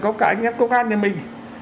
có cả những quốc an như mình